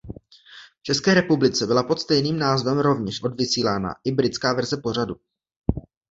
V České republice byla pod stejným názvem rovněž odvysílána i britská verze pořadu.